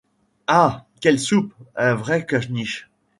Ah ! quelle soupe ! un vrai caniche !